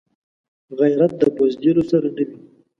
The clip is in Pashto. غیرت د بزدلو سره نه وي